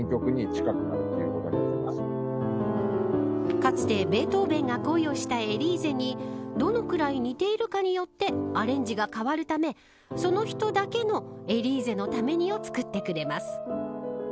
かつて、ベートーベンが恋をしたエリーゼにどのぐらい似ているかによってアレンジが変わるためその人だけのエリーゼのためにを作ってくれます。